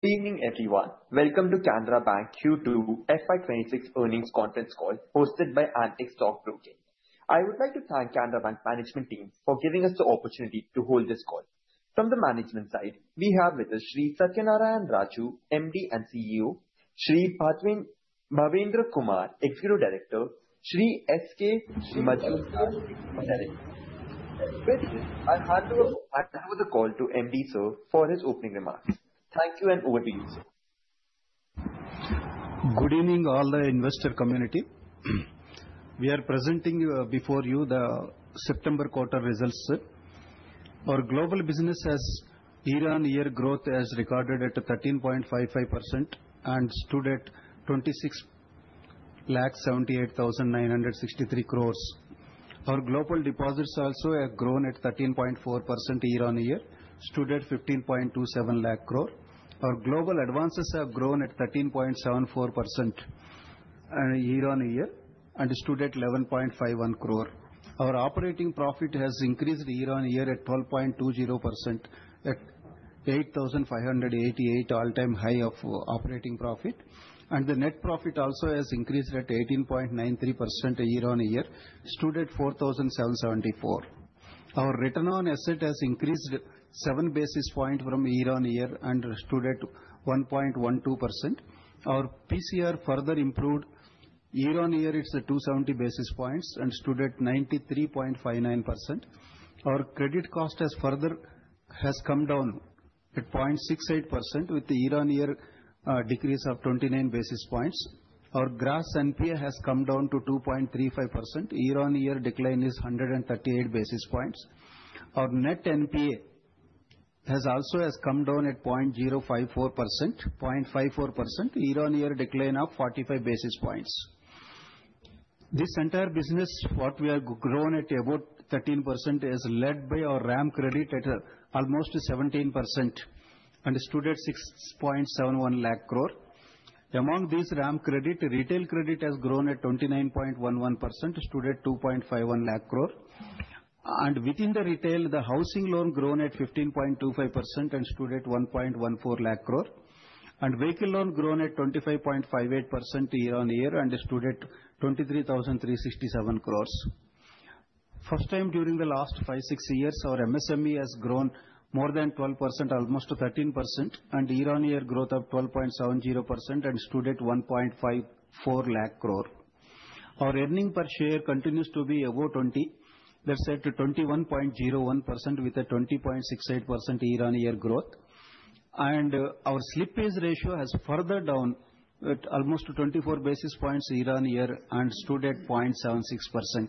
Evening, everyone. Welcome to Canara Bank Q2 FY 2026 earnings conference call hosted by Antique Stock Broking. I would like to thank Canara Bank management team for giving us the opportunity to hold this call. From the management side, we have with us Sri Satyanarayana Raju, MD and CEO, Sri Bhavendra Kumar, Executive Director, Sri S. K. Majumdar, and S. K. Majumdar. With this, I hand over the call to MD sir for his opening remarks. Thank you and over to you, sir. Good evening, all the investor community. We are presenting before you the September quarter results. Our global business has year-on-year growth as recorded at 13.55% and stood at 2,678,963. Our global deposits also have grown at 13.4% year-on-year, stood at 15.27. Our global advances have grown at 13.74% year-on-year and stood at 11.51. Our operating profit has increased year-on-year at 12.20%, at 8,588 all-time high of operating profit, and the net profit also has increased at 18.93% year-on-year, stood at 4,774. Our return on asset has increased 7 bps from year-on-year and stood at 1.12%. Our PCR further improved. Year-on-year, it's 270 bps and stood at 93.59%. Our credit cost has further come down at 0.68% with the year-on-year decrease of 29 bps. Our gross NPA has come down to 2.35%. Year-on-year decline is 138 bps. Our net NPA has also come down at 0.054%, 0.54%, year-on-year decline of 45 bps. This entire business, what we have grown at about 13%, is led by our RAM credit at almost 17% and stood at 6.71 lakh crore. Among these RAM credit, retail credit has grown at 29.11%, stood at 2.51 lakh crore. And within the retail, the housing loan grown at 15.25% and stood at 1.14 lakh crore. And vehicle loan grown at 25.58% year-on-year and stood at 23,367 crores. First time during the last five, six years, our MSME has grown more than 12%, almost 13%, and year-on-year growth of 12.70% and stood at 1.54 lakh crore. Our earnings per share continues to be above 20, that's at 21.01% with a 20.68% year-on-year growth. And our slippage ratio has further down at almost 24 bps year-on-year and stood at 0.76%.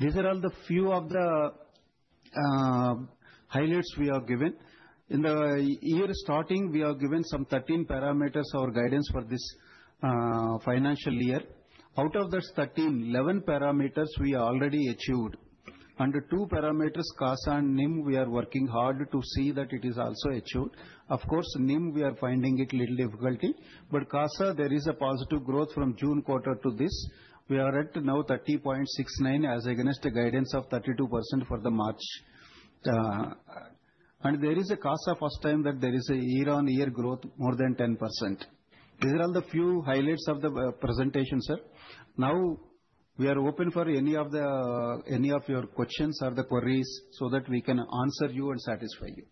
These are all the few of the highlights we have given. In the year starting, we have given some 13 parameters or guidance for this financial year. Out of those 13, 11 parameters we already achieved. Under two parameters, CASA and NIM, we are working hard to see that it is also achieved. Of course, NIM, we are finding it a little difficulty. But CASA, there is a positive growth from June quarter to this. We are at now 30.69 as against a guidance of 32% for the March. And there is a CASA first time that there is a year-on-year growth more than 10%. These are all the few highlights of the presentation, sir. Now, we are open for any of your questions or the queries so that we can answer you and satisfy you.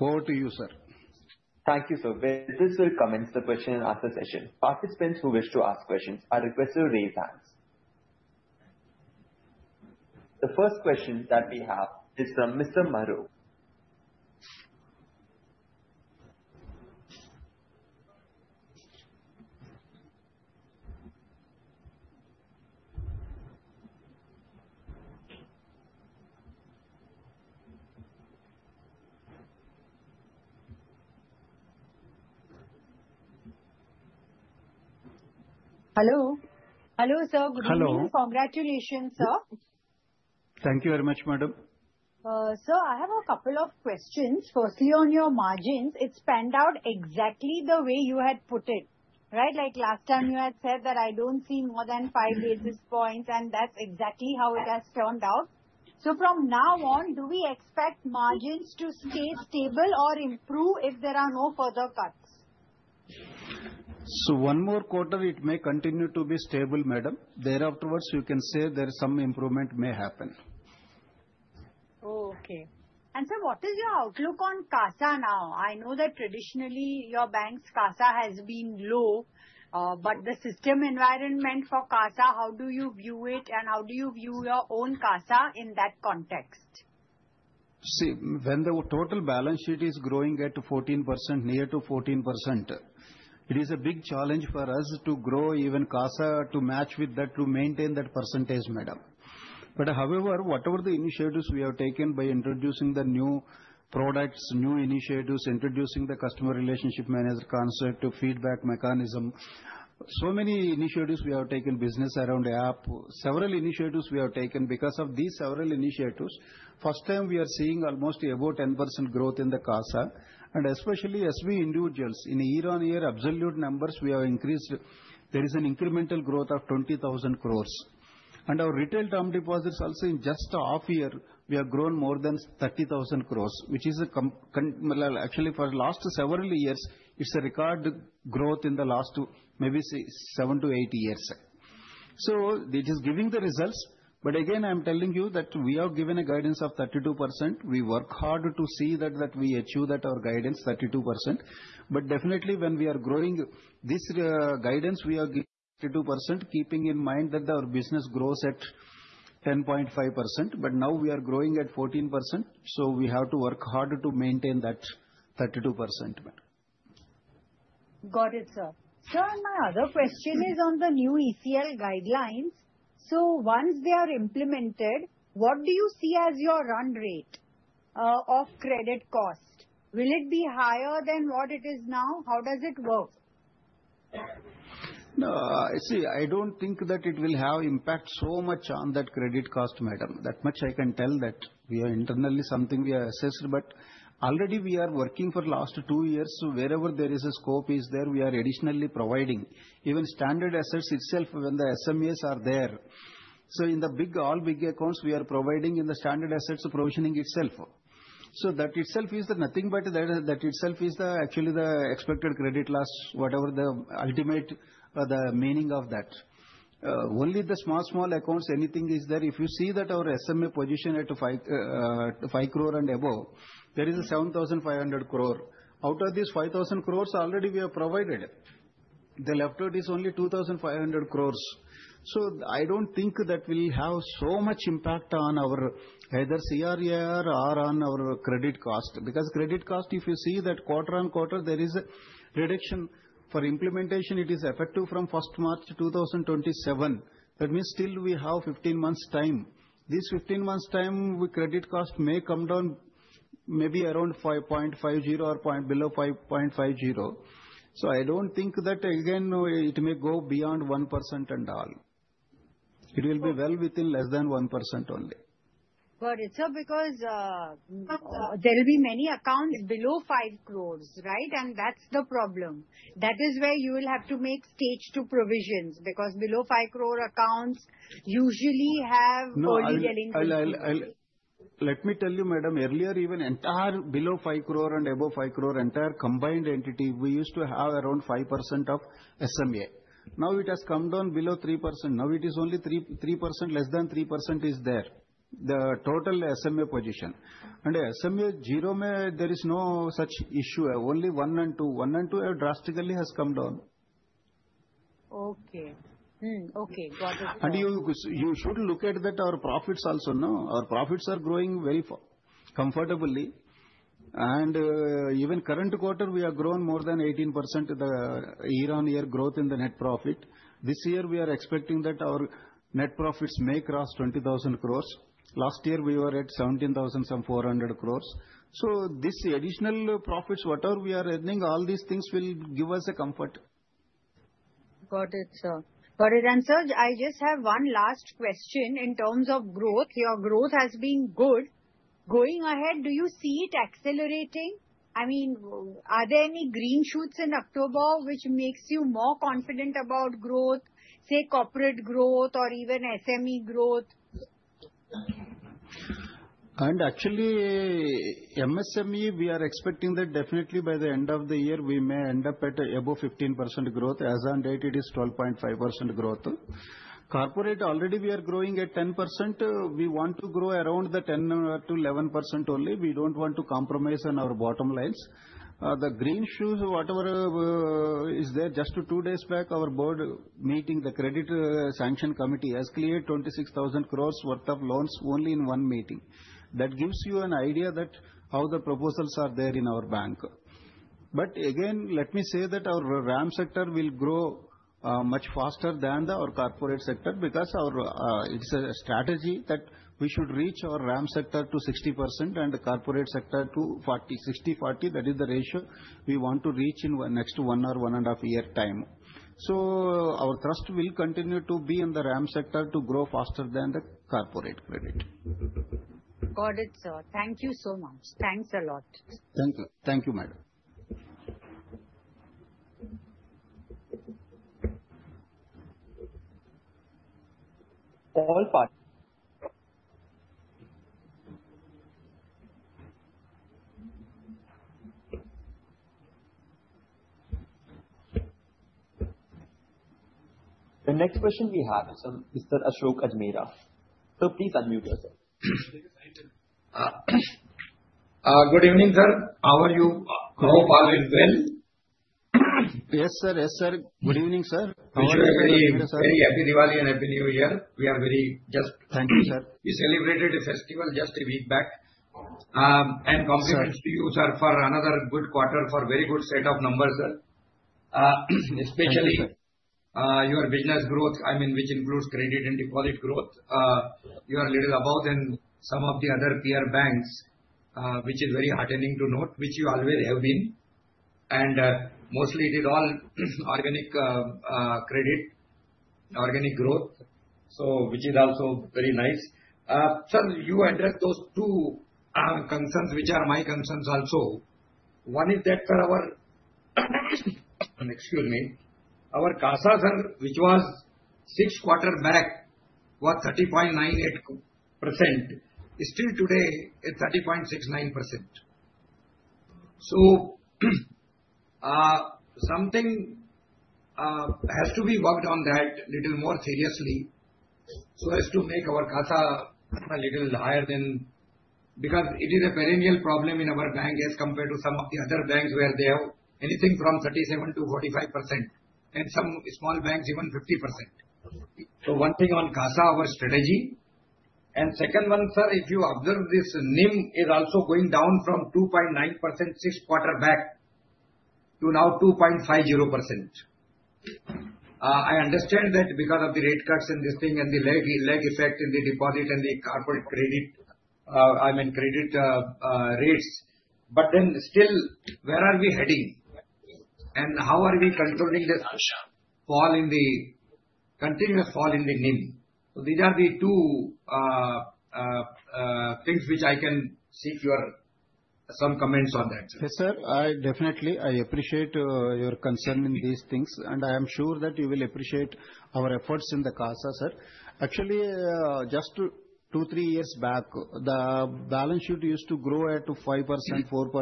Over to you, sir. Thank you, sir. This will commence the question and answer session. Participants who wish to ask questions are requested to raise hands. The first question that we have is from Ms. Mahrukh. Hello. Hello, sir. Good evening. Congratulations, sir. Thank you very much, madam. Sir, I have a couple of questions. Firstly, on your margins, it panned out exactly the way you had put it, right? Like last time you had said that I don't see more than 5 bps, and that's exactly how it has turned out. So from now on, do we expect margins to stay stable or improve if there are no further cuts? So one more quarter, it may continue to be stable, madam. Thereafter, you can say there is some improvement may happen. Okay, and sir, what is your outlook on CASA now? I know that traditionally your bank's CASA has been low, but the system environment for CASA, how do you view it, and how do you view your own CASA in that context? See, when the total balance sheet is growing at 14%, near to 14%, it is a big challenge for us to grow even CASA to match with that, to maintain that percentage, madam. But however, whatever the initiatives we have taken by introducing the new products, new initiatives, introducing the customer relationship manager concept, feedback mechanism, so many initiatives we have taken, business around app, several initiatives we have taken. Because of these several initiatives, first time we are seeing almost above 10% growth in the CASA. And especially SB individuals, in year-on-year absolute numbers, we have increased. There is an incremental growth of 20,000 crores. And our retail term deposits also in just half year, we have grown more than 30,000 crores, which is actually for the last several years, it's a record growth in the last maybe seven to eight years. So it is giving the results. But again, I'm telling you that we have given a guidance of 32%. We work hard to see that we achieve that, our guidance, 32%, but definitely, when we are growing this guidance, we are 32%, keeping in mind that our business grows at 10.5%, but now we are growing at 14%, so we have to work hard to maintain that 32%. Got it, sir. Sir, my other question is on the new ECL guidelines. So once they are implemented, what do you see as your run rate of credit cost? Will it be higher than what it is now? How does it work? See, I don't think that it will have impact so much on that credit cost, madam. That much I can tell that we are internally something we have assessed, but already we are working for the last two years. So wherever there is a scope is there, we are additionally providing even standard assets itself when the SMAs are there. So in the big, all big accounts, we are providing in the standard assets provisioning itself. So that itself is the nothing but that itself is actually the expected credit loss, whatever the ultimate meaning of that. Only the small, small accounts, anything is there. If you see that our SMA position at five crore and above, there is 7,500 crore. Out of these 5,000 crores, already we have provided. The left is only 2,500 crores. I don't think that will have so much impact on our either CRAR or on our credit cost. Because credit cost, if you see that quarter on quarter, there is a reduction for implementation. It is effective from March 2027. That means still we have 15 months' time. This 15 months' time, credit cost may come down maybe around 5.50 or below 5.50. I don't think that again it may go beyond 1% and all. It will be well within less than 1% only. Got it. Sir, because there will be many accounts below five crores, right? And that's the problem. That is where you will have to make stage two provisions because below five crore accounts usually have early delinquency. Let me tell you, madam, earlier even entire below five crore and above five crore, entire combined entity, we used to have around 5% of SMA. Now it has come down below 3%. Now it is only 3%. Less than 3% is there, the total SMA position. And SMA zero may, there is no such issue. Only one and two. One and two have drastically come down. Okay. Okay. Got it. And you should look at our profits also. Our profits are growing very comfortably. And even current quarter, we have grown more than 18% year-on-year growth in the net profit. This year, we are expecting that our net profits may cross 20,000 crores. Last year, we were at 17,400 crores. So this additional profits, whatever we are earning, all these things will give us a comfort. Got it, sir. Got it. And sir, I just have one last question in terms of growth. Your growth has been good. Going ahead, do you see it accelerating? I mean, are there any green shoots in October which makes you more confident about growth, say corporate growth or even SME growth? Actually, MSME, we are expecting that definitely by the end of the year, we may end up at above 15% growth. As on date, it is 12.5% growth. Corporate, already we are growing at 10%. We want to grow around the 10% to 11% only. We don't want to compromise on our bottom lines. The green shoots, whatever is there, just two days back, our board meeting, the Credit Sanction Committee has cleared 26,000 crore worth of loans only in one meeting. That gives you an idea that how the proposals are there in our bank. But again, let me say that our RAM sector will grow much faster than our corporate sector because it is a strategy that we should reach our RAM sector to 60% and corporate sector to 60 to 40. That is the ratio we want to reach in the next one or one and a half years' time. So our thrust will continue to be in the RAM sector to grow faster than the corporate credit. Got it, sir. Thank you so much. Thanks a lot. Thank you, madam. All right. The next question we have is from Mr. Ashok Ajmera. Sir, please unmute yourself. Good evening, sir. How are you? Hope all is well. Yes, sir. Yes, sir. Good evening, sir. Happy Diwali and Happy New Year. We are very just. Thank you, sir. We celebrated a festival just a week back. Congratulations to you, sir, for another good quarter, for a very good set of numbers, sir. Especially your business growth, I mean, which includes credit and deposit growth. You are a little above than some of the other peer banks, which is very heartening to note, which you always have been. Mostly, it is all organic credit, organic growth, which is also very nice. Sir, you addressed those two concerns, which are my concerns also. One is that for our, excuse me, our CASA, sir, which was six quarters back, was 30.98%. Still today, it's 30.69%. So something has to be worked on that little more seriously. So as to make our CASA a little higher, because it is a perennial problem in our bank as compared to some of the other banks where they have anything from 37% to 45% and some small banks even 50%. So one thing on CASA, our strategy. And second one, sir, if you observe this NIM is also going down from 2.9% six quarters back to now 2.50%. I understand that because of the rate cuts and this thing and the lag effect in the deposit and the corporate credit, I mean, credit rates. But then still, where are we heading? And how are we controlling this fall in the continuous fall in the NIM? So these are the two things which I can seek your some comments on that. Yes, sir. I definitely, I appreciate your concern in these things. And I am sure that you will appreciate our efforts in the CASA, sir. Actually, just two, three years back, the balance sheet used to grow at 5%, 4%, 6%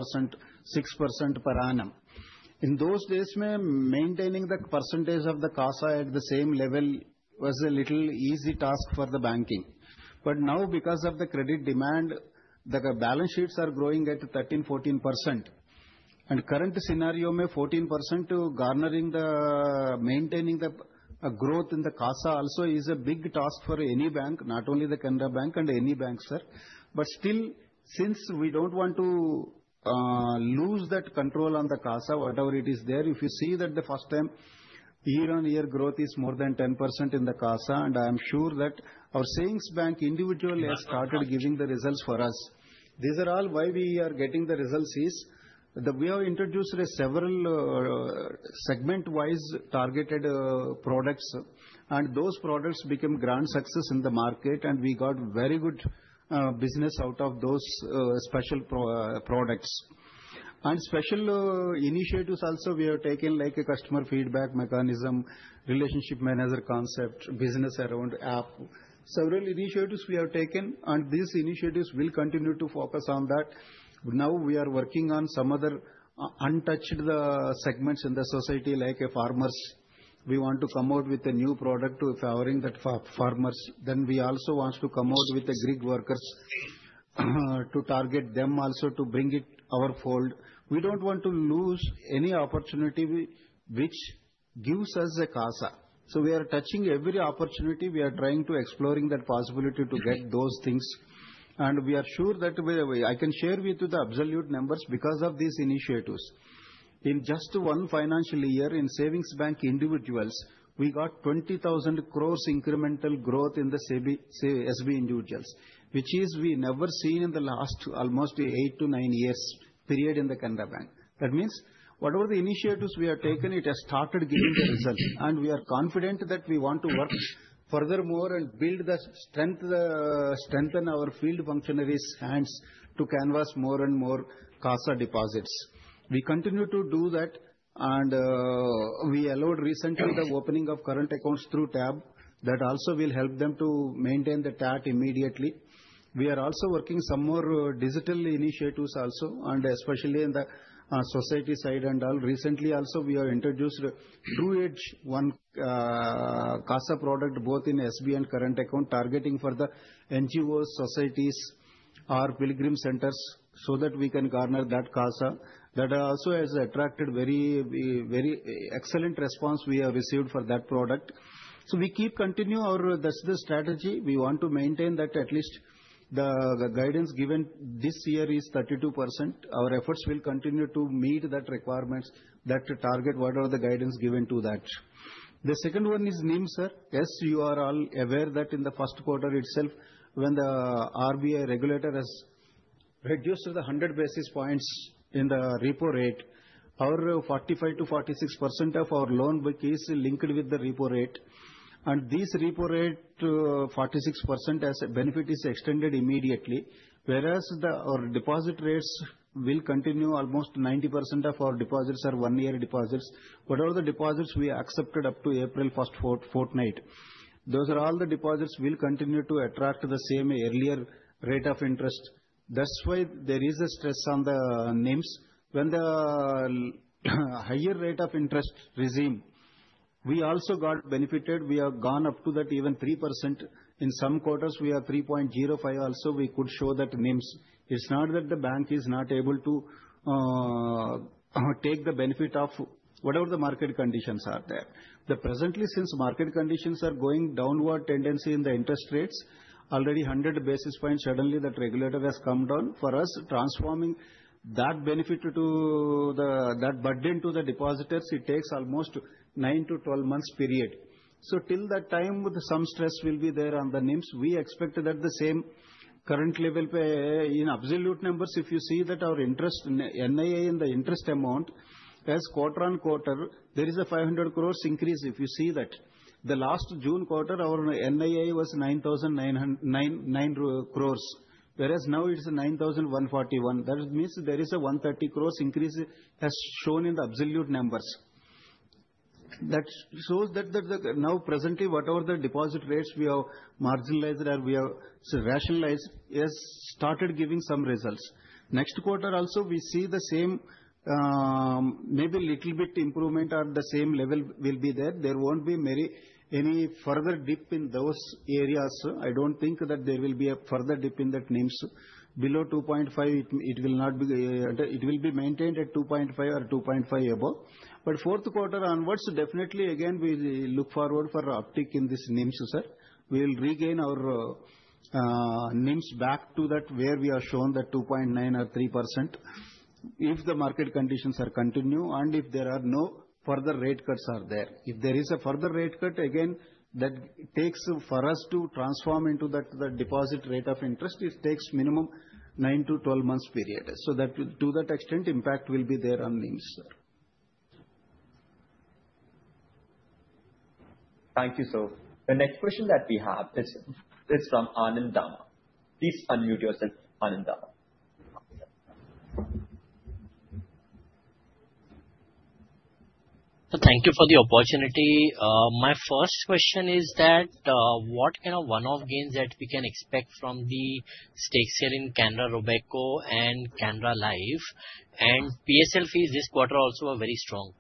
per annum. In those days, maintaining the percentage of the CASA at the same level was a little easy task for the banking. But now, because of the credit demand, the balance sheets are growing at 13%, 14%. And current scenario, 14% garnering the maintaining the growth in the CASA also is a big task for any bank, not only the Canara Bank and any bank, sir. But still, since we don't want to lose that control on the CASA, whatever it is there, if you see that the first time year-on-year growth is more than 10% in the CASA, and I am sure that our savings bank individual has started giving the results for us. These are all why we are getting the results is that we have introduced several segment-wise targeted products. And those products became grand success in the market, and we got very good business out of those special products. And special initiatives also we have taken like a customer feedback mechanism, relationship manager concept, business around app. Several initiatives we have taken, and these initiatives will continue to focus on that. Now we are working on some other untouched segments in the society like farmers. We want to come out with a new product to favor the farmers. Then we also want to come out with the gig workers to target them also to bring them into our fold. We don't want to lose any opportunity which gives us a CASA. So we are touching every opportunity. We are trying to explore that possibility to get those things. And we are sure that I can share with you the absolute numbers because of these initiatives. In just one financial year in savings bank individuals, we got 20,000 crores incremental growth in the SB individuals, which is we never seen in the last almost eight to nine years period in the Canara Bank. That means whatever the initiatives we have taken, it has started giving the results. And we are confident that we want to work furthermore and build and strengthen our field functionaries' hands to canvass more and more CASA deposits. We continue to do that. We allowed recently the opening of current accounts through Tab. That also will help them to maintain the TAT immediately. We are also working some more digital initiatives also, and especially in the society side and all. Recently also, we have introduced through Canara CASA product both in SB and current account targeting for the NGOs, societies, our pilgrim centers so that we can garner that CASA. That also has attracted very excellent response we have received for that product. We keep continue our strategy. We want to maintain that. At least the guidance given this year is 32%. Our efforts will continue to meet that requirements that target whatever the guidance given to that. The second one is NIM, sir. As you are all aware that in the first quarter itself, when the RBI regulator has reduced the 100 bps in the repo rate, our 45%-46% of our loan book is linked with the repo rate. And this repo rate, 46% as a benefit is extended immediately, whereas our deposit rates will continue almost 90% of our deposits, our one-year deposits, whatever the deposits we accepted up to April 1st fortnight. Those are all the deposits will continue to attract the same earlier rate of interest. That's why there is a stress on the NIMs. When the higher rate of interest resume, we also got benefited. We have gone up to that even 3%. In some quarters, we are 3.05%. Also, we could show that NIMs. It's not that the bank is not able to take the benefit of whatever the market conditions are there. Presently, since market conditions are going downward tendency in the interest rates, already 100 bps suddenly that regulator has come down for us transforming that benefit to that burden to the depositors. It takes almost nine to 12 months period. So till that time, some stress will be there on the NIMs. We expect that the same current level in absolute numbers, if you see that our interest NII in the interest amount has quarter on quarter, there is a 500 crores increase. If you see that the last June quarter, our NII was 9,900 crores, whereas now it's 9,141. That means there is a 130 crores increase as shown in the absolute numbers. That shows that now presently, whatever the deposit rates we have marginalized or we have rationalized has started giving some results. Next quarter also, we see the same. Maybe little bit improvement on the same level will be there. There won't be any further dip in those areas. I don't think that there will be a further dip in that NIMs. Below 2.5, it will not be maintained at 2.5 or 2.5 above. But fourth quarter onwards, definitely again, we look forward for uptick in this NIMs, sir. We will regain our NIMs back to that where we are shown that 2.9 or 3% if the market conditions are continued and if there are no further rate cuts are there. If there is a further rate cut, again, that takes for us to transform into that the deposit rate of interest. It takes minimum 9 to 12 months period. So to that extent, impact will be there on NIMs, sir. Thank you, sir. The next question that we have is from Anand Dama. Please unmute yourself, Anand Dama. Thank you for the opportunity. My first question is that what kind of one-off gains that we can expect from the stake sale in Canara Robeco and Canara Life? And PSL fees this quarter also are very strong.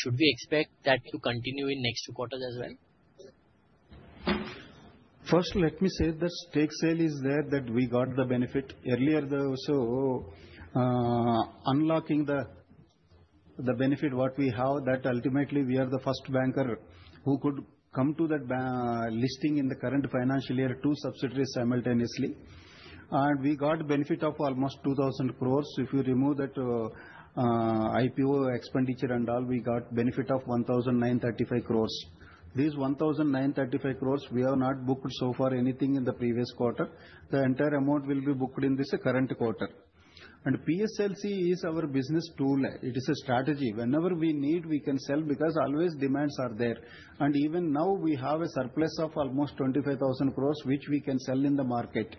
Should we expect that to continue in next two quarters as well? First, let me say that stake sale is there that we got the benefit earlier. So unlocking the benefit what we have that ultimately we are the first banker who could come to that listing in the current financial year two subsidiaries simultaneously. And we got benefit of almost 2,000 crores. If you remove that IPO expenditure and all, we got benefit of 1,935 crores. These 1,935 crores, we have not booked so far anything in the previous quarter. The entire amount will be booked in this current quarter. And PSLC is our business tool. It is a strategy. Whenever we need, we can sell because always demands are there. And even now we have a surplus of almost 25,000 crores, which we can sell in the market.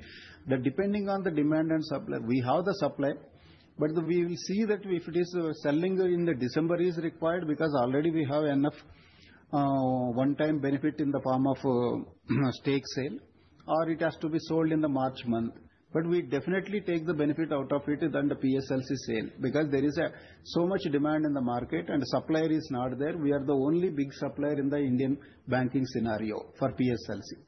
Depending on the demand and supply, we have the supply. But we will see that if it is selling in the December is required because already we have enough one-time benefit in the form of stake sale, or it has to be sold in the March month. But we definitely take the benefit out of it than the PSLC sale because there is so much demand in the market and supplier is not there. We are the only big supplier in the Indian banking scenario for PSLC.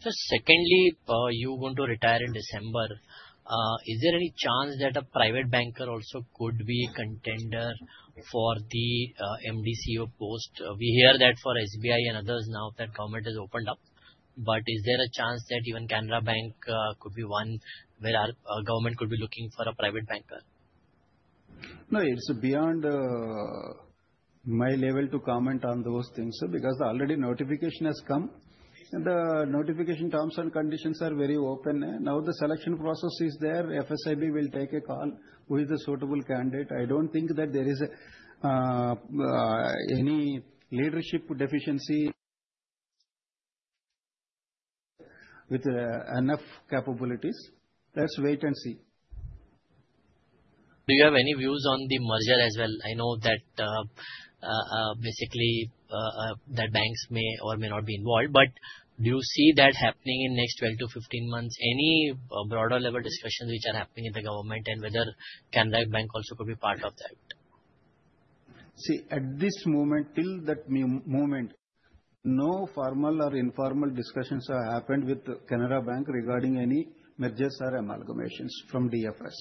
Sir, secondly, you want to retire in December. Is there any chance that a private banker also could be a contender for the MD & CEO post? We hear that for SBI and others now that government has opened up. But is there a chance that even Canara Bank could be one where government could be looking for a private banker? No, it's beyond my level to comment on those things because already notification has come. The notification terms and conditions are very open. Now the selection process is there. FSIB will take a call who is the suitable candidate. I don't think that there is any leadership deficiency with enough capabilities. Let's wait and see. Do you have any views on the merger as well? I know that basically that banks may or may not be involved. But do you see that happening in next 12 to 15 months? Any broader level discussions which are happening in the government and whether Canara Bank also could be part of that? See, at this moment, till that moment, no formal or informal discussions have happened with Canara Bank regarding any mergers or amalgamations from DFS.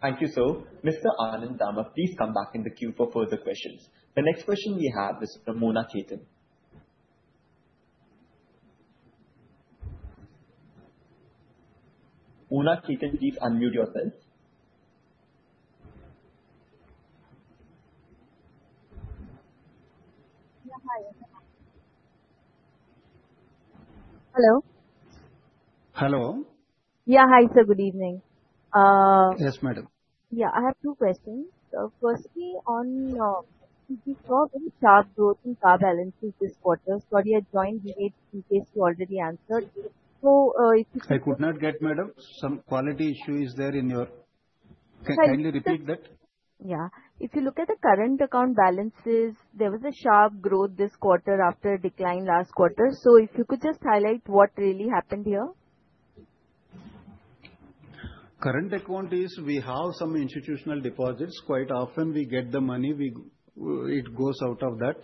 Thank you, sir. Mr. Anand Dama, please come back in the queue for further questions. The next question we have is from Mona Khetan. Mona Khetan, please unmute yourself. Hello. Hello. Yeah, hi, sir. Good evening. Yes, madam. Yeah, I have two questions. Firstly, on the sharp growth in CASA balances this quarter. Sorry, I joined late in case you already answered. So. I could not get, madam. Some quality issue is there in your. Sorry. Can you repeat that? Yeah. If you look at the current account balances, there was a sharp growth this quarter after a decline last quarter. So if you could just highlight what really happened here. Current account is we have some institutional deposits. Quite often we get the money, it goes out of that.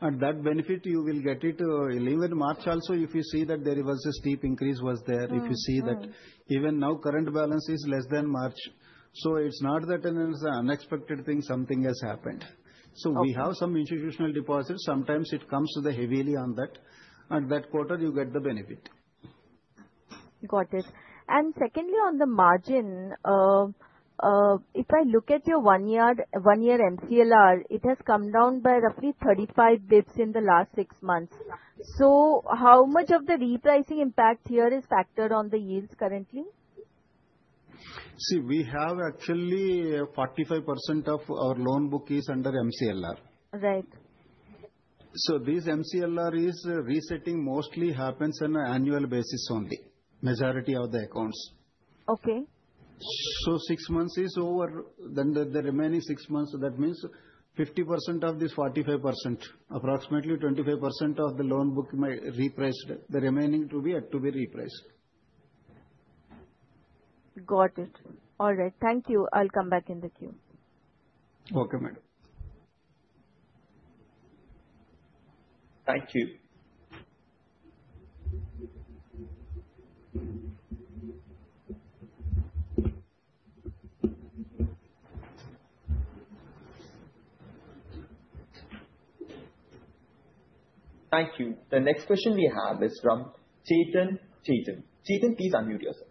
And that benefit you will get it even March also, if you see that there was a steep increase was there. If you see that even now current balance is less than March. So it's not that an unexpected thing something has happened. So we have some institutional deposits. Sometimes it comes too heavily on that. And that quarter you get the benefit. Got it. And secondly, on the margin, if I look at your one-year MCLR, it has come down by roughly 35 bps in the last six months. So how much of the repricing impact here is factored on the yields currently? See, we have actually 45% of our loan book is under MCLR. Right. This MCLR is resetting mostly happens on an annual basis only, majority of the accounts. Okay. So six months is over. Then the remaining six months, that means 50% of this 45%, approximately 25% of the loan book may repriced, the remaining to be repriced. Got it. All right. Thank you. I'll come back in the queue. Okay, madam. Thank you. Thank you. The next question we have is from Chetan. Chetan, please unmute yourself.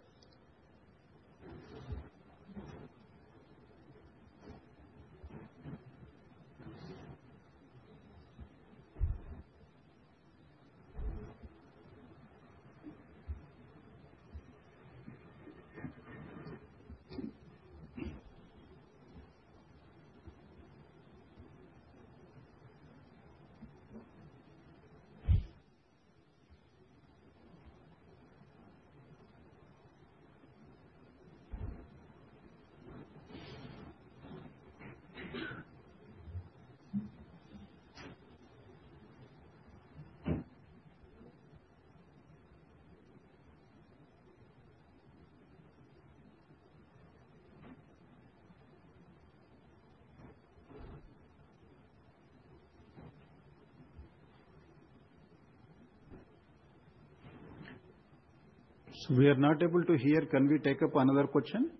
So we are not able to hear. Can we take up another question?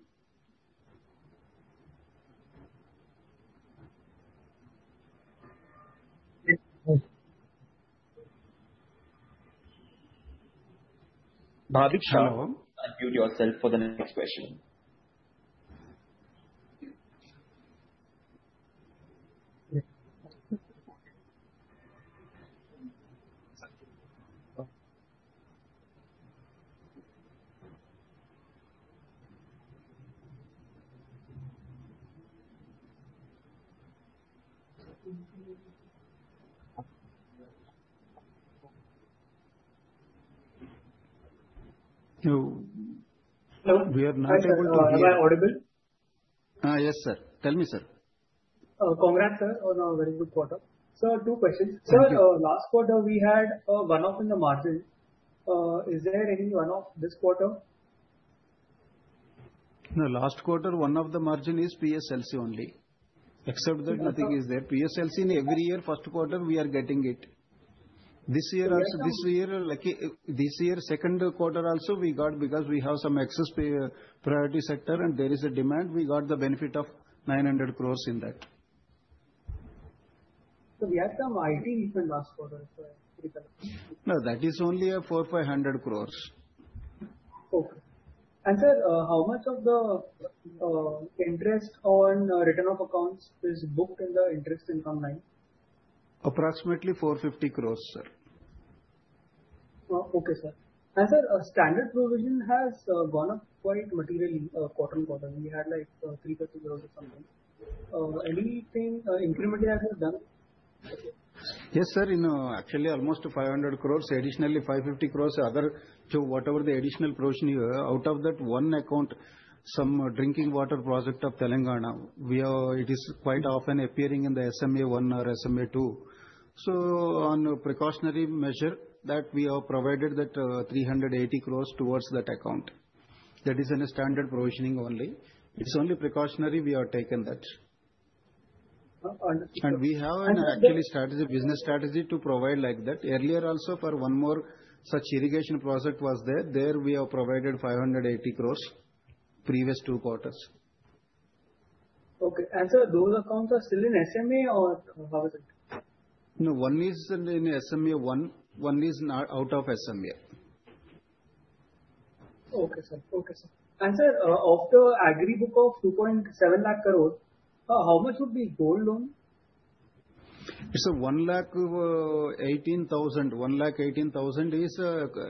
Bhavik Shah. Unmute yourself for the next question. You. Hello? We are not able to hear. Can I hear you audible? Yes, sir. Tell me, sir. Congrats, sir. Very good quarter. So two questions. Sir, last quarter we had one-off in the margin. Is there any one-off this quarter? No, last quarter one-off the margin is PSLC only. Except that nothing is there. PSLC in every year first quarter we are getting it. This year also, this year second quarter also we got because we have some excess priority sector and there is a demand. We got the benefit of 900 crores in that. So we had some IT in last quarter. No, that is only 4,500 crores. Okay. And sir, how much of the interest on written-off accounts is booked in the interest income line? Approximately 450 crores, sir. Okay, sir. And sir, standard provision has gone up quite materially quarter on quarter. We had like 350 crores or something. Anything incrementally has it done? Yes, sir. Actually, almost 500 crores. Additionally, 550 crores other to whatever the additional provision out of that one account, some drinking water project of Telangana. It is quite often appearing in the SMA-1 or SMA-2. So on precautionary measure that we have provided that 380 crores towards that account. That is in a standard provisioning only. It's only precautionary we have taken that. And we have an actual business strategy to provide like that. Earlier also for one more such irrigation project was there. There we have provided 580 crores previous two quarters. Okay. And sir, those accounts are still in SMA or how is it? No, one is in SMA 1. One is out of SMA. Okay, sir. And sir, of the agri book of 2.7 lakh crores, how much would be gold loan? It's 118,000. 118,000 is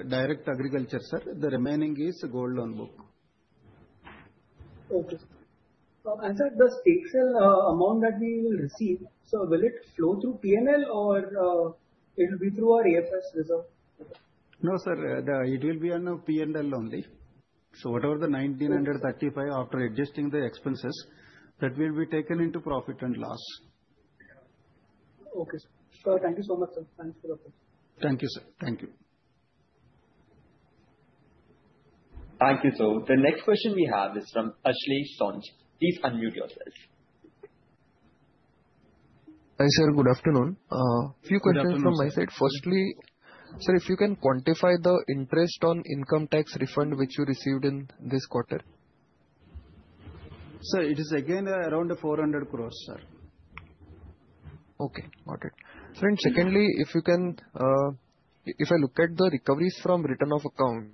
direct agriculture, sir. The remaining is gold loan book. Okay. Sir, the stake sale amount that we will receive, so will it flow through P&L or it will be through our AFS reserve? No, sir. It will be on P&L only. So whatever the 1,935 after adjusting the expenses, that will be taken into profit and loss. Okay, sir. Thank you so much, sir. Thanks for your question. Thank you, sir. Thank you. Thank you, sir. The next question we have is from Ashlesh Sonje. Please unmute yourself. Hi, sir. Good afternoon. A few questions from my side. Firstly, sir, if you can quantify the interest on income tax refund which you received in this quarter. Sir, it is again around 400 crores, sir. Okay. Got it. Sir, and secondly, if you can, if I look at the recoveries from written-off accounts.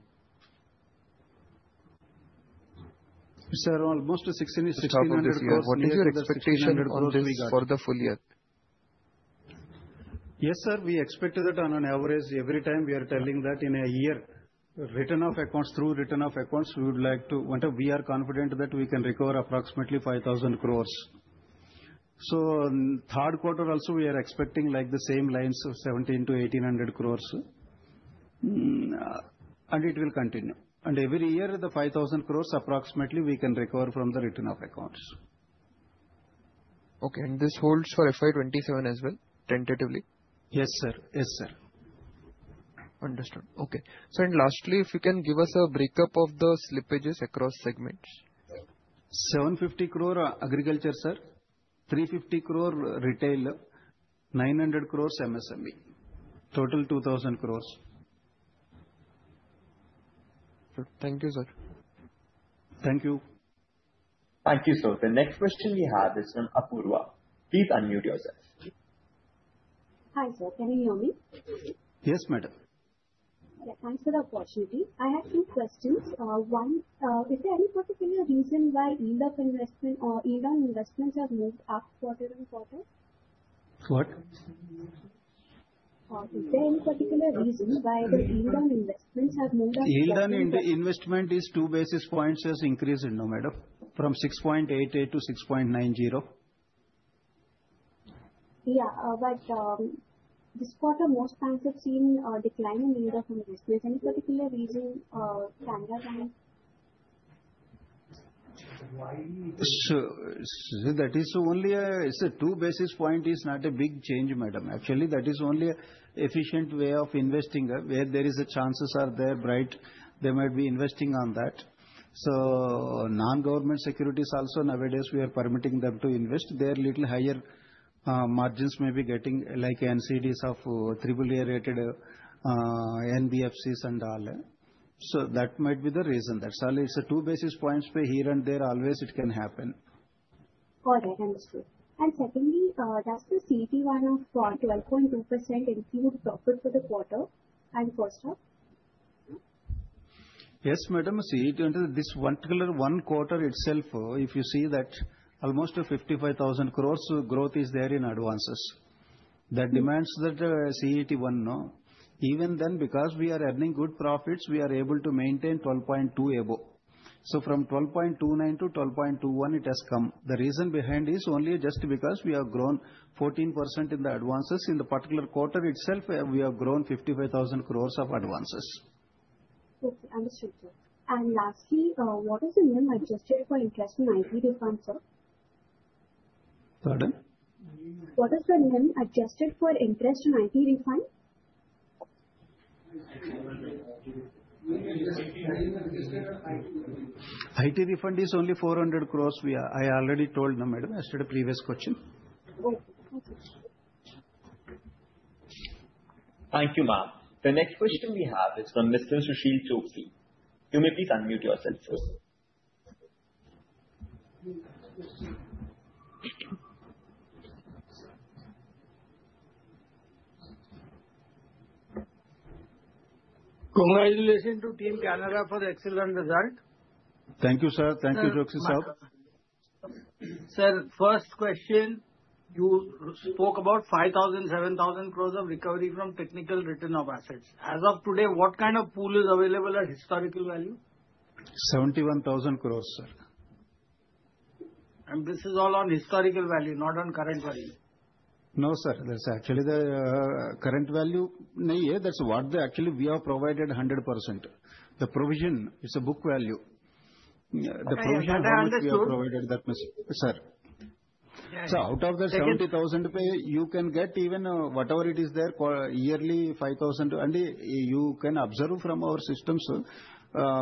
Sir, almost 1,600 crores. What is your expectation on this for the full year? Yes, sir. We expect that on average, every time we are telling that in a year, written-off accounts through written-off accounts, we would like to, we are confident that we can recover approximately 5,000 crores. So third quarter also, we are expecting like the same lines of 1,700- 1,800. And it will continue. And every year, the 5,000 crores approximately we can recover from the written-off accounts. Okay. This holds for FY 2027 as well, tentatively? Yes, sir. Yes, sir. Understood. Okay. Sir, and lastly, if you can give us a break-up of the slippages across segments. 750 crore agriculture, sir. 350 crore retail, 900 crores MSME. Total 2,000 crores. Thank you, sir. Thank you. Thank you, sir. The next question we have is from Apurva. Please unmute yourself. Hi, sir. Can you hear me? Yes, madam. Thanks for the opportunity. I have two questions. One, is there any particular reason why ECL on investments have moved up quarter on quarter? What? Is there any particular reason why the loan investments have moved up? yield on investment has increased by 2 bps now, madam, from 6.88% to 6.90%. Yeah, but this quarter, most banks have seen a decline in loan investments. Any particular reason, Canara Bank? That is only, it's a 2 bp is not a big change, madam. Actually, that is only an efficient way of investing where there are chances there bright, they might be investing on that. So non-government securities also, nowadays we are permitting them to invest. They are little higher margins may be getting like NCDs of AAA rated NBFCs and all. So that might be the reason. That's all. It's 2 bps way here and there always it can happen. Got it. Understood. And secondly, does the CET1 of 12.2% include profit for the quarter and post-op? Yes, madam. CET1, this particular one quarter itself, if you see that almost 55,000 crores growth is there in advances. That demands that CET1. Even then, because we are earning good profits, we are able to maintain 12.2 above. So from 12.29 to 12.21, it has come. The reason behind is only just because we have grown 14% in the advances. In the particular quarter itself, we have grown 55,000 crores of advances. Okay. Understood, sir. And lastly, what is the NIM adjusted for interest on IT refund, sir? Pardon? What is the NIM adjusted for interest on IT refund? IT refund is only 400 crores. I already told, madam, asked at a previous question. Thank you, ma'am. The next question we have is from Mr. Sushil Choksey. You may please unmute yourself, sir. Congratulations to Team Canara for the excellent result. Thank you, sir. Thank you, Joshi, sir. Sir, first question, you spoke about 5,000 to 7,000 crores of recovery from technical write-off of assets. As of today, what kind of pool is available at historical value? 71,000 crores, sir. This is all on historical value, not on current value? No, sir. That's actually the current value नहीं है. That's what actually we have provided 100%. The provision is a book value. The provision we have provided that, sir. So out of that 70,000, you can get even whatever it is there yearly 5,000. And you can observe from our systems,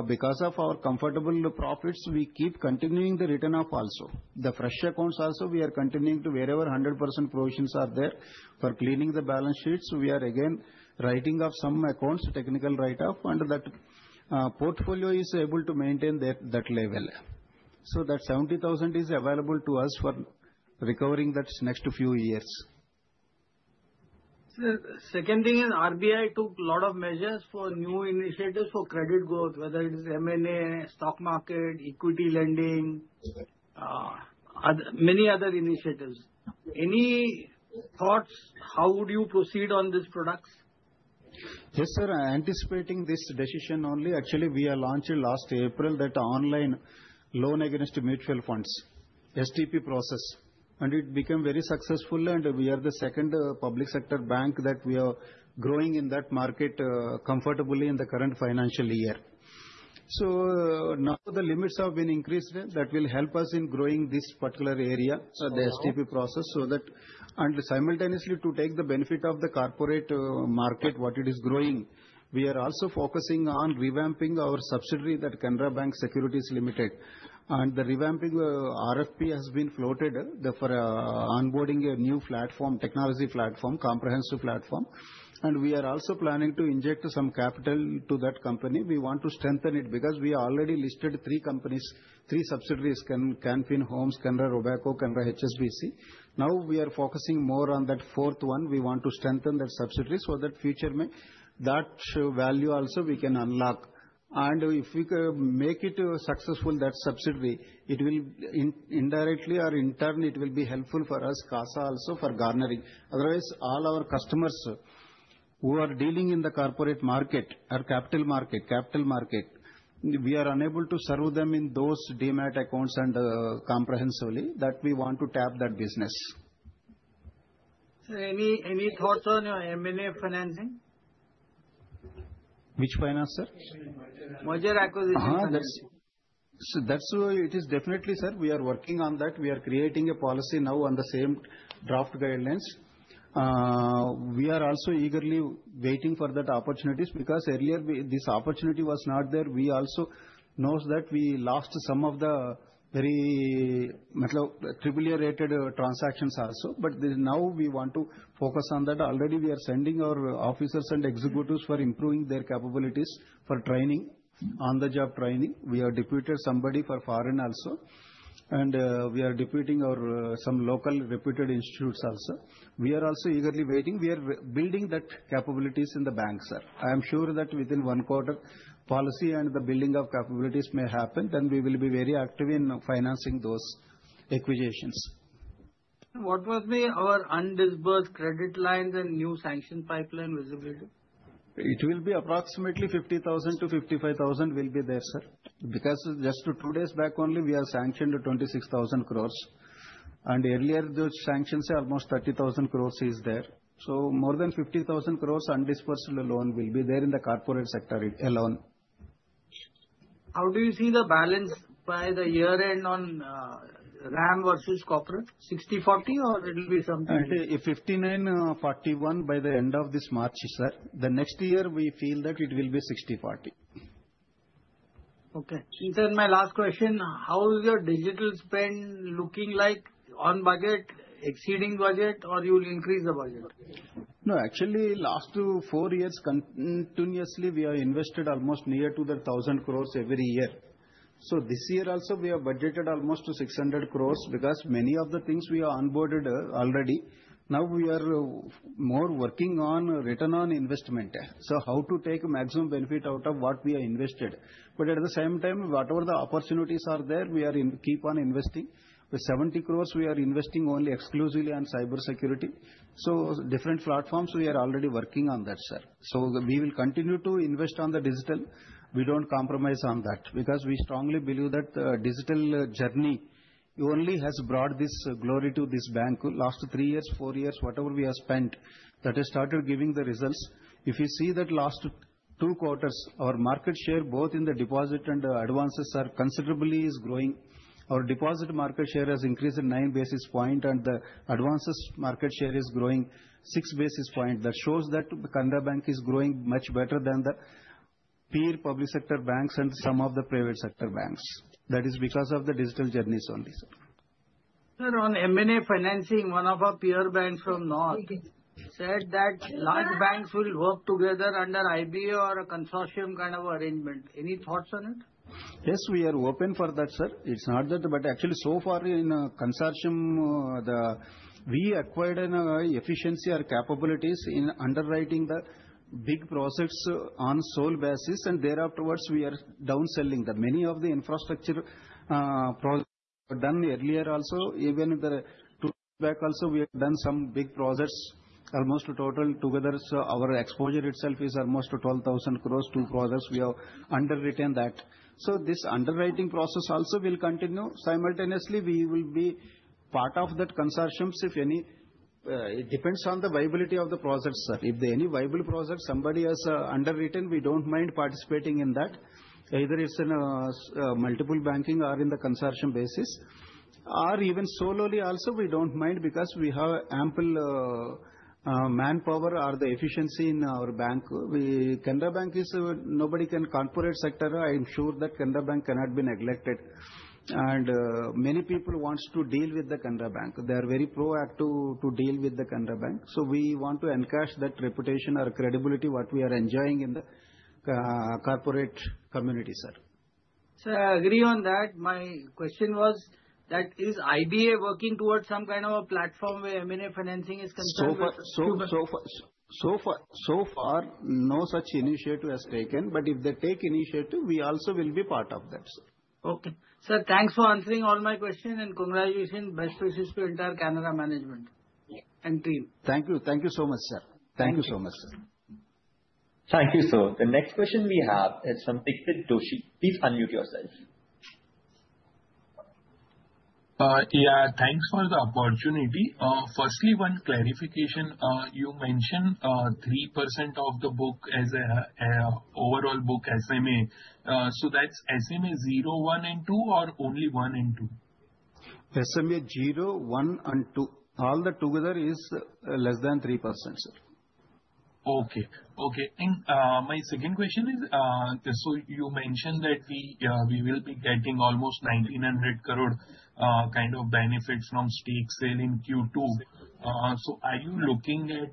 because of our comfortable profits, we keep continuing the return of also. The fresh accounts also, we are continuing to wherever 100% provisions are there for cleaning the balance sheets. We are again writing off some accounts, technical write-off, and that portfolio is able to maintain that level. So that 70,000 is available to us for recovering that next few years. Sir, second thing is RBI took a lot of measures for new initiatives for credit growth, whether it is M&A, stock market, equity lending, many other initiatives. Any thoughts how would you proceed on these products? Yes, sir. Anticipating this decision only, actually we launched last April that online loan against mutual funds, STP process. And it became very successful. And we are the second public sector bank that we are growing in that market comfortably in the current financial year. So now the limits have been increased that will help us in growing this particular area, the STP process. So that and simultaneously to take the benefit of the corporate market, what it is growing, we are also focusing on revamping our subsidiary that Canara Bank Securities Limited. And the revamping RFP has been floated for onboarding a new platform, technology platform, comprehensive platform. And we are also planning to inject some capital to that company. We want to strengthen it because we already listed three companies, three subsidiaries: Canfin Homes, Canara Robeco, Canara HSBC. Now we are focusing more on that fourth one. We want to strengthen that subsidiary so that in the future that value also we can unlock. And if we can make it successful, that subsidiary, it will indirectly or in turn be helpful for us, CASA also for garnering. Otherwise, all our customers who are dealing in the corporate market or capital market, we are unable to serve them in those Demat accounts comprehensively that we want to tap that business. Sir, any thoughts on M&A financing? Which finance, sir? Merger acquisition. That is definitely, sir. We are working on that. We are creating a policy now on the same draft guidelines. We are also eagerly waiting for that opportunities because earlier this opportunity was not there. We also know that we lost some of the very AAA rated transactions also. But now we want to focus on that. Already we are sending our officers and executives for improving their capabilities for training, on-the-job training. We are deputed somebody for foreign also. And we are deputing our some local reputed institutes also. We are also eagerly waiting. We are building that capabilities in the bank, sir. I am sure that within one quarter, policy and the building of capabilities may happen. Then we will be very active in financing those acquisitions. What was our undisbursed credit lines and new sanction pipeline visibility? It will be approximately 50,000 to 55,000 will be there, sir. Because just two days back only, we are sanctioned 26,000 crores, and earlier those sanctions, almost 30,000 crores is there, so more than 50,000 crores undisbursed loan will be there in the corporate sector alone. How do you see the balance by the year end on RAM versus corporate? 60, 40 or it will be something? 59, 41 by the end of this March, sir. The next year we feel that it will be 60, 40. Okay. Sir, my last question, how is your digital spend looking like on budget, exceeding budget, or you will increase the budget? No, actually last four years continuously we are invested almost near to the 1,000 crores every year. So this year also we are budgeted almost to 600 crores because many of the things we are onboarded already. Now we are more working on return on investment. So how to take maximum benefit out of what we are invested. But at the same time, whatever the opportunities are there, we are keep on investing. With 70 crores, we are investing only exclusively on cyber security. So different platforms we are already working on that, sir. So we will continue to invest on the digital. We don't compromise on that because we strongly believe that digital journey only has brought this glory to this bank. Last three years, four years, whatever we have spent, that has started giving the results. If you see that last two quarters, our market share both in the deposit and advances are considerably growing. Our deposit market share has increased in 9 bps and the advances market share is growing 6 bps. That shows that Canara Bank is growing much better than the peer public sector banks and some of the private sector banks. That is because of the digital journeys only, sir. Sir, on M&A financing, one of our peer banks from North said that large banks will work together under IBA or a consortium kind of arrangement. Any thoughts on it? Yes, we are open for that, sir. It's not that, but actually so far in consortium, we acquired an efficiency or capabilities in underwriting the big projects on sole basis, and thereafter, we are downscaling the many of the infrastructure projects done earlier also. Even two years back also, we have done some big projects. Almost total together, so our exposure itself is almost 12,000 crores. Two projects we have underwritten that, so this underwriting process also will continue. Simultaneously, we will be part of that consortium if any. It depends on the viability of the projects, sir. If there are any viable projects, somebody has underwritten, we don't mind participating in that, either it's in multiple banking or in the consortium basis, or even solely also, we don't mind because we have ample manpower or the efficiency in our bank. Canara Bank is nobody can corporate sector. I am sure that Canara Bank cannot be neglected. And many people want to deal with the Canara Bank. They are very proactive to deal with the Canara Bank. So we want to encash that reputation or credibility what we are enjoying in the corporate community, sir. Sir, I agree on that. My question was, that is, IBA working towards some kind of a platform where M&A financing is considered? So far, no such initiative has taken. But if they take initiative, we also will be part of that, sir. Okay. Sir, thanks for answering all my questions and congratulations, best wishes to entire Canara management and team. Thank you. Thank you so much, sir. Thank you so much, sir. Thank you, sir. The next question we have is from Dixit Joshi. Please unmute yourself. Yeah, thanks for the opportunity. Firstly, one clarification. You mentioned 3% of the book as an overall book SMA. So that's SMA 0, 1, and 2 or only 1 and 2? SMA 0, 1, and 2. All the together is less than 3%, sir. Okay. Okay. And my second question is, so you mentioned that we will be getting almost 1,900 crore kind of benefit from stake sale in Q2. So are you looking at?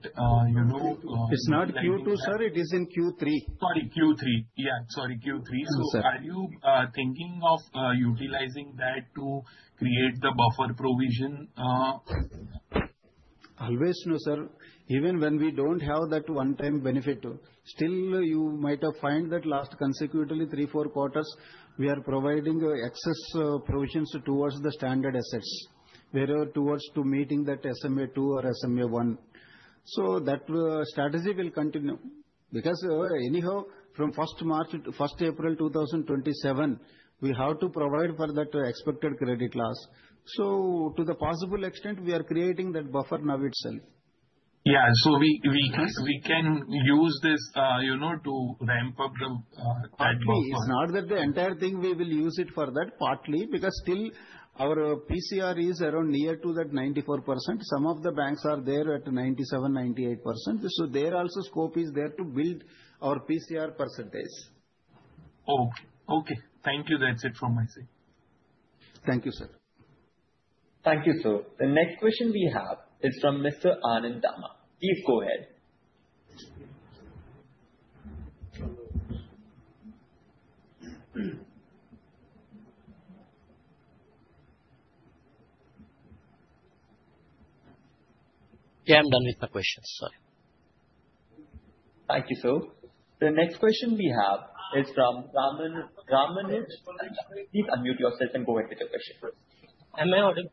It's not Q2, sir. It is in Q3. Sorry, Q3. Yeah, sorry, Q3. So are you thinking of utilizing that to create the buffer provision? Always, no, sir. Even when we don't have that one-time benefit, still you might have find that last consecutively three, four quarters, we are providing excess provisions towards the standard assets where towards to meeting that SMA 2 or SMA 1. So that strategy will continue because anyhow, from 1st March to 1st April 2027, we have to provide for that expected credit loss. So to the possible extent, we are creating that buffer now itself. Yeah. So we can use this to ramp up the. It's not that the entire thing we will use it for that partly because still our PCR is around near to that 94%. Some of the banks are there at 97% to 98%. So there also scope is there to build our PCR percentage. Okay. Okay. Thank you. That's it from my side. Thank you, sir. Thank you, sir. The next question we have is from Mr. Anand Dama. Please go ahead. Yeah, I'm done with my questions. Sorry. Thank you, sir. The next question we have is from Ramanuj. Please unmute yourself and go ahead with your question. Am I audible?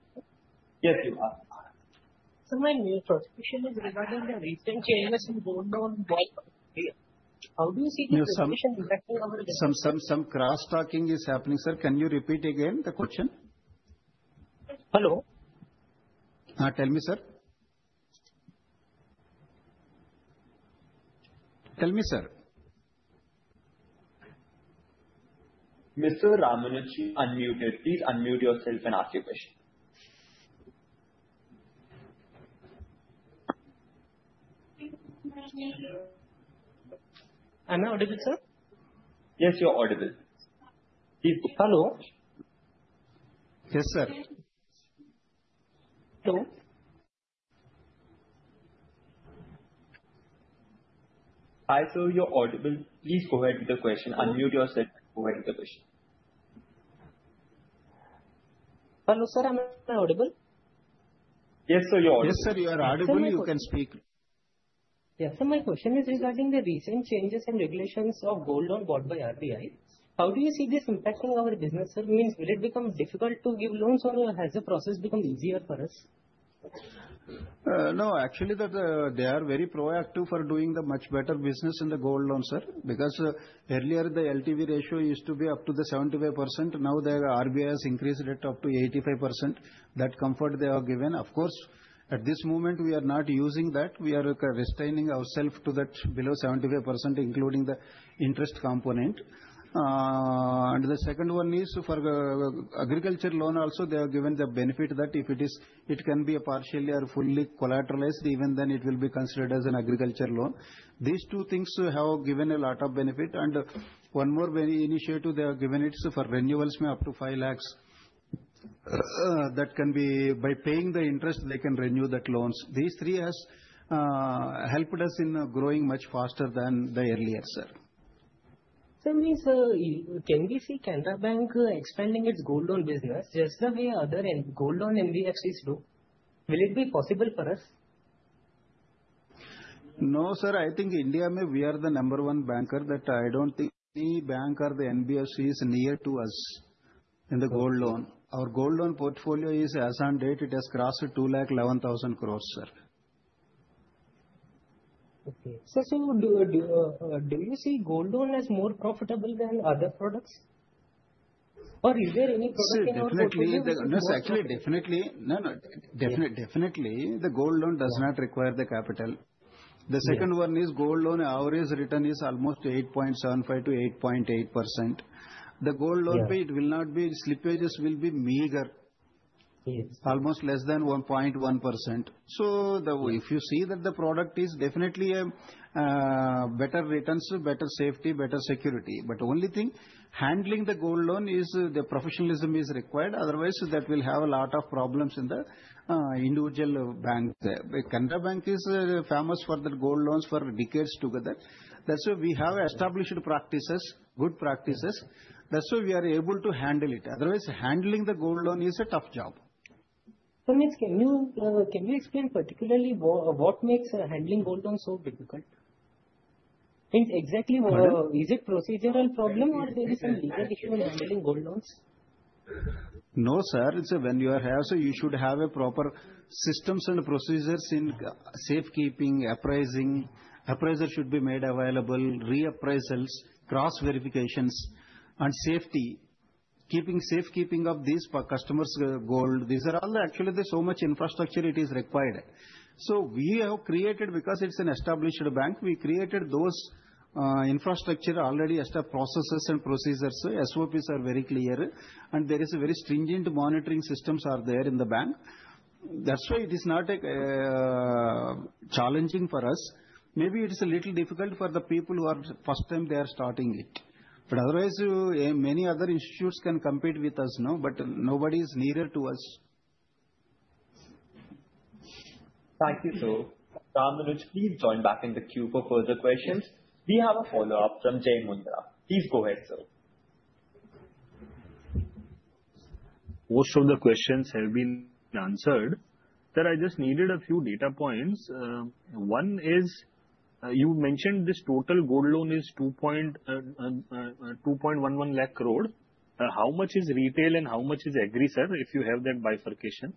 Yes, you are. So my next question is regarding the recent changes in bond yields. How do you see this decision affecting our? Some cross-talking is happening, sir. Can you repeat again the question? Hello? Tell me, sir. Tell me, sir. Mr. Ramanuj, unmuted. Please unmute yourself and ask your question. Am I audible, sir? Yes, you're audible. Please. Hello. Yes, sir. Hello. Hi, sir. You're audible. Please go ahead with your question. Unmute yourself and go ahead with your question. Hello, sir. Am I audible? Yes, sir. You're audible. Yes, sir. You are audible. You can speak. Yes, sir. My question is regarding the recent changes and regulations on gold loans by RBI. How do you see this impacting our business, sir? Means will it become difficult to give loans or has the process become easier for us? No, actually that they are very proactive for doing the much better business in the gold loan, sir. Because earlier the LTV ratio used to be up to the 75%. Now the RBI has increased it up to 85%. That comfort they are given. Of course, at this moment, we are not using that. We are restraining ourselves to that below 75%, including the interest component. And the second one is for agriculture loan also. They are given the benefit that if it is, it can be a partially or fully collateralized. Even then, it will be considered as an agriculture loan. These two things have given a lot of benefit. And one more initiative they have given it for renewals up to five lakhs. That can be by paying the interest, they can renew that loans. These three have helped us in growing much faster than the earlier, sir. Tell me, sir, can we see Canara Bank expanding its gold loan business just the way other gold loan NBFCs do? Will it be possible for us? No, sir. I think India may be the number one banker that I don't think any bank or the NBFC is near to us in the gold loan. Our gold loan portfolio is, as on date, it has crossed 211,000 crores, sir. Okay. Sir, so do you see gold loan as more profitable than other products? Or is there any product in our portfolio? No, actually, definitely. No, no. Definitely, the gold loan does not require the capital. The second one is gold loan. Our return is almost 8.75% to 8.8%. The gold loan pay, it will not be slippages will be meager. Almost less than 1.1%. So if you see that the product is definitely a better returns, better safety, better security. But only thing, handling the gold loan is the professionalism is required. Otherwise, that will have a lot of problems in the individual bank. Canara Bank is famous for the gold loans for decades together. That's why we have established practices, good practices. That's why we are able to handle it. Otherwise, handling the gold loan is a tough job. Can you explain particularly what makes handling gold loans so difficult? Means exactly what is it procedural problem or there is some legal issue in handling gold loans? No, sir. When you have a proper systems and procedures in safekeeping, appraising, appraisal should be made available, reappraisals, cross-verifications, and safety, keeping safekeeping of these customers' gold. These are all actually there's so much infrastructure it is required. So we have created because it's an established bank, we created those infrastructure already as the processes and procedures. SOPs are very clear. And there is a very stringent monitoring systems are there in the bank. That's why it is not challenging for us. Maybe it's a little difficult for the people who are first time they are starting it. But otherwise, many other institutes can compete with us, no. But nobody is nearer to us. Thank you, sir. Ramanuj, please join back in the queue for further questions. We have a follow-up from Jai Mundhra. Please go ahead, sir. Most of the questions have been answered. There I just needed a few data points. One is you mentioned this total gold loan is 2.11 lakh crore. How much is retail and how much is agri, sir, if you have that bifurcation?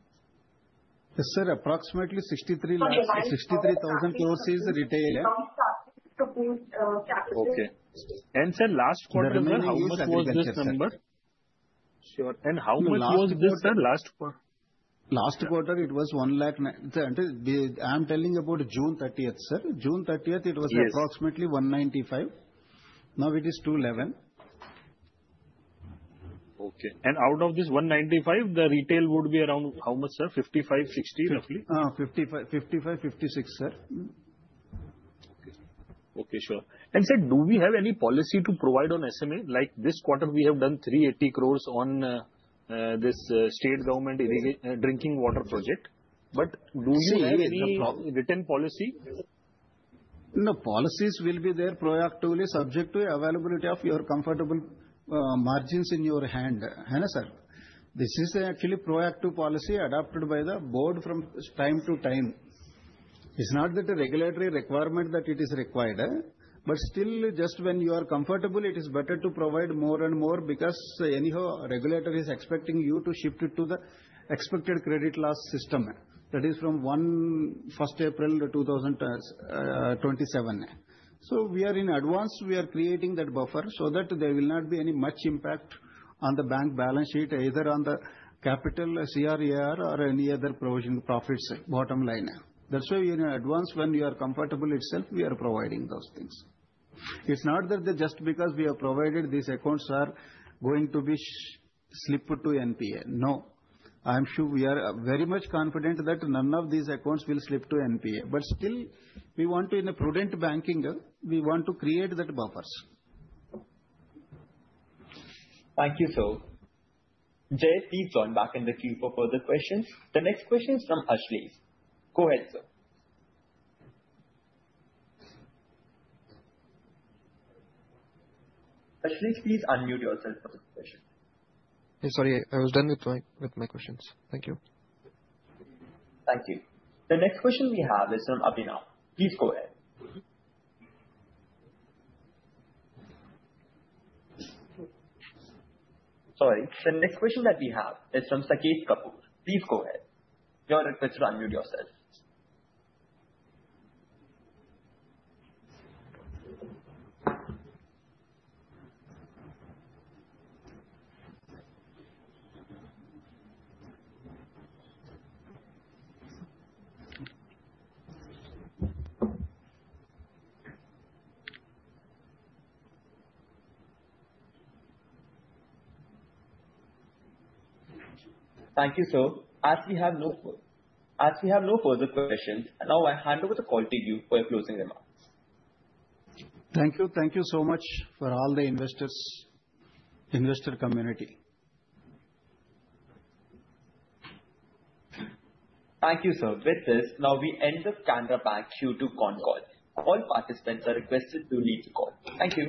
Sir, approximately 63 lakhs. 63,000 crores is retail. Okay, and sir, last quarter, sir, how much was this number? Sure. How much was this, sir, last quarter? Last quarter, it was one lakh. I am telling about June 30th, sir. June 30th, it was approximately 195. Now it is 211. Okay. And out of this 195, the retail would be around how much, sir? 55, 60 roughly? 55, 56, sir. Okay. Okay, sure. And sir, do we have any policy to provide on SMA? Like this quarter, we have done 380 crores on this state government drinking water project. But do you have any written policy? The policies will be there proactively subject to availability of your comfortable margins in your hand. Sir, this is actually proactive policy adopted by the board from time to time. It's not that a regulatory requirement that it is required. But still, just when you are comfortable, it is better to provide more and more because anyhow, regulator is expecting you to shift it to the expected credit loss system. That is from 1st April 2027. So we are in advance, we are creating that buffer so that there will not be any much impact on the bank balance sheet, either on the capital CRAR or any other provision profits, bottom line. That's why we are in advance when you are comfortable itself, we are providing those things. It's not that just because we have provided, these accounts are going to be slipped to NPA. No. I am sure we are very much confident that none of these accounts will slip to NPA. But still, in a prudent banking, we want to create those buffers. Thank you, sir. Jay, please join back in the queue for further questions. The next question is from Ashley. Go ahead, sir. Ashley, please unmute yourself for this question. Sorry, I was done with my questions. Thank you. Thank you. The next question we have is from Abhinav. Please go ahead. Sorry. The next question that we have is from Saket Kapoor. Please go ahead. Your request to unmute yourself. Thank you, sir. As we have no further questions, now I hand over the call to you for your closing remarks. Thank you. Thank you so much for all the investors, investor community. Thank you, sir. With this, now we end the Canara Bank Q2 call. All participants are requested to leave the call. Thank you.